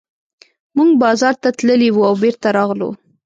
موږ بازار ته تللي وو او بېرته راغلو.